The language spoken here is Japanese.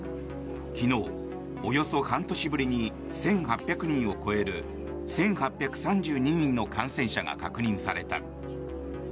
昨日、およそ半年ぶりに１８００人を超える１８３２人の感染者が確認された。